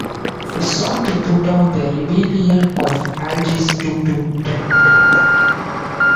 He sought to put down the rebellion of Alagis, duke of Trent.